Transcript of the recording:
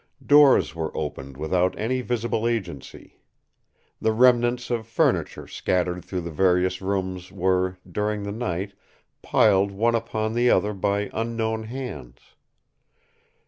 Doors were opened without any visible agency. The remnants of furniture scattered through the various rooms were, during the night, piled one upon the other by unknown hands.